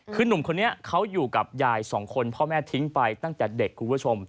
คือหนุ่มคนนี้เขาอยู่กับยายสองคนพ่อแม่ทิ้งไปตั้งแต่เด็กคุณผู้ชม